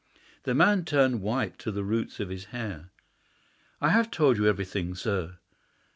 The man turned white to the roots of his hair. "I have told you everything, sir."